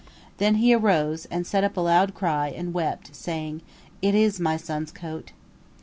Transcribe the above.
Then he arose, and set up a loud cry, and wept, saying, "It is my son's coat."